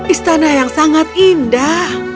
istana yang sangat indah